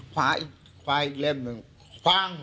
คว้าอีกเล่มคว้า